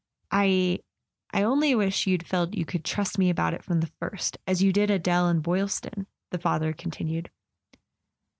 "I—I only wish you'd felt you could trust me about it from the first, as you did Adele and Boylston," the father continued.